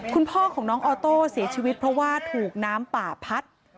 คุณพ่อของน้องออโต้เสียชีวิตเพราะว่าถูกน้ำป่าพัด